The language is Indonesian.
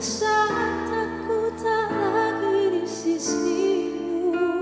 sang takut tak lagi di sisimu